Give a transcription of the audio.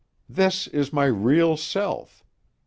This is my real self.